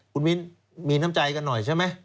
คุณมิ้นมีน้ำใจกันหน่อยใช่ไหม